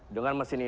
dengan mesin ini